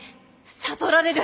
悟られる！